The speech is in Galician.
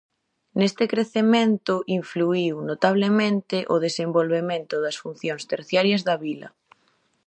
Neste crecemento influíu notablemente o desenvolvemento das funcións terciarias da vila.